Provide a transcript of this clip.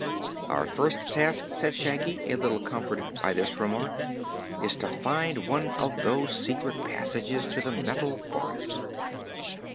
"Our first task," said Shaggy, a little comforted by this remark, "is to find one of those secret passages to the Metal Forest."